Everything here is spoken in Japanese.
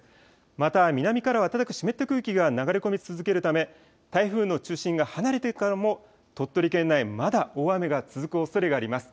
また、南からは暖かく湿った空気が流れ込み続けるため、台風の中心が離れてからも、鳥取県内、まだ大雨が続くおそれがあります。